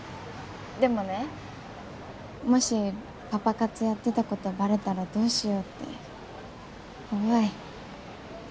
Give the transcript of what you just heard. でもねもしパパ活やってたことバレたらどうしようって怖い。